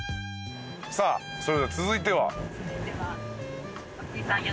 さあそれでは続いては？